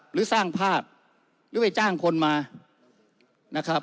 หรือสร้างภาพหรือไปจ้างคนมา